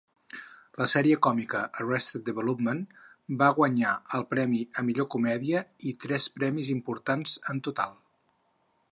La sèrie còmica "Arrested Development" va guanyar el premi a millor comèdia i tres premis importants en total.